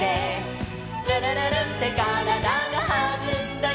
「るるるるんってからだがはずんだよ」